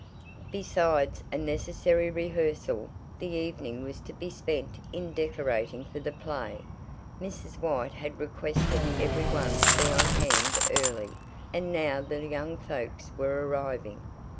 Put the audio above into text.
Besides a necessary rehearsal, the evening was to be spent in decorating for the play. Mrs. White had requested every one to be on hand early, and now the young folks were arriving.